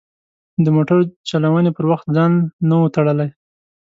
د موټر چلونې پر وخت ځان نه و تړلی.